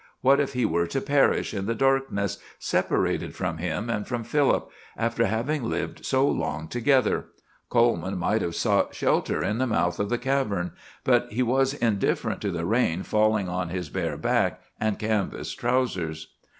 What if he were to perish in the darkness, separated from him and from Philip, after having lived so long together! Coleman might have sought shelter in the mouth of the cavern; but he was indifferent to the rain falling on his bare back and canvas trousers.